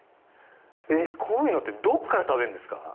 こういうのってどこから食べるんですか？